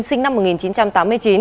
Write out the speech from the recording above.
sinh năm một nghìn chín trăm tám mươi chín